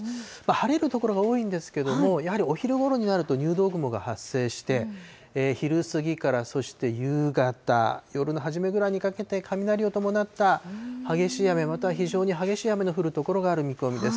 晴れる所が多いんですけれども、やはりお昼ごろになると、入道雲が発生して、昼過ぎから、そして夕方、夜の初めぐらいにかけて、雷を伴った激しい雨、または非常に激しい雨の降る所がある見込みです。